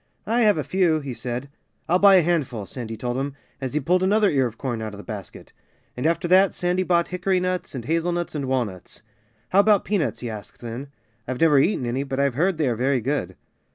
"I have a few," he said. "I'll buy a handful," Sandy told him, as he pulled another ear of corn out of the basket. And after that Sandy bought hickory nuts and hazelnuts and walnuts. "How about peanuts?" he asked then. "I've never eaten any; but I've heard they are very good."